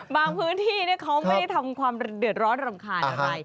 พื้นที่เขาไม่ได้ทำความเดือดร้อนรำคาญอะไร